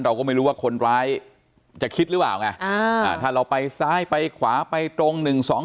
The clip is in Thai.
เราก็ไม่รู้ว่าคนร้ายจะคิดหรือเปล่าไงถ้าเราไปซ้ายไปขวาไปตรง๑๒๒